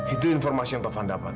itu informasi yang taufan dapat